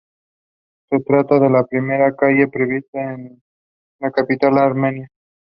He taught classes at his alma mater.